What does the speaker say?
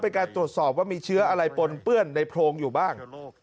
เป็นการตรวจสอบว่ามีเชื้ออะไรปนเปื้อนในโพรงอยู่บ้าง